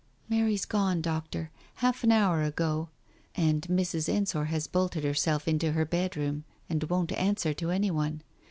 "Mary's gone, Doctor. Half an hour ago. And Mrs. Ensor has bolted herself into her bedroom, and won't answer to any one.